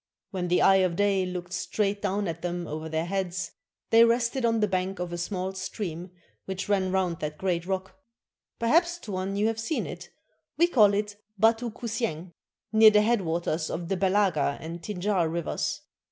When the eye of day looked straight down at them over their heads, they rested on the bank of a small stream which ran round that great rock (perhaps, Tuan, you have seen it) — we call it 'Batu Kusieng,' — near the head waters of the Belaga and Tinjar Rivers.